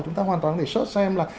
chúng ta hoàn toàn có thể search xem là